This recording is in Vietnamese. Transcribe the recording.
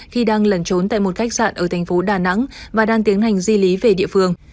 khi đang lẩn trốn tại một khách sạn ở thành phố đà nẵng và đang tiến hành di lý về địa phương